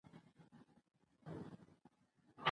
تاسو باید هیڅکله احتکار ونه کړئ.